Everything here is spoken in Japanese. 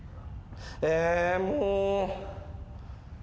えもう。